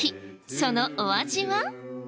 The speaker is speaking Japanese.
そのお味は？